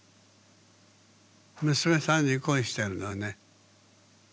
娘さんに恋してるのね。